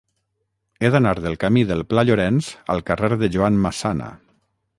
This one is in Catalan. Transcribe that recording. He d'anar del camí del Pla Llorenç al carrer de Joan Massana.